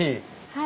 はい。